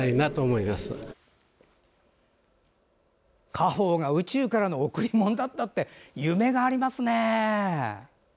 家宝が宇宙からの贈り物だったって夢がありますね。